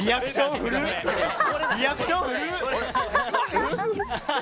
リアクション、古っ！